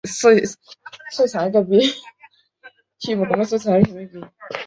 别克托夫斯卡亚农村居民点是俄罗斯联邦沃洛格达州沃热加区所属的一个农村居民点。